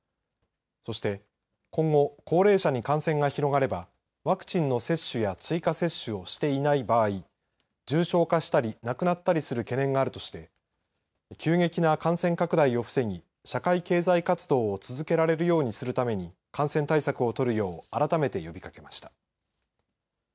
そして今後高齢者に感染が広がればワクチンの接種や追加接種をしていない場合重症化したり亡くなったりする懸念があるとして急激な感染拡大を防ぎ社会経済活動を続けられるようにするために感染対策を取るよう改めて呼びかけました。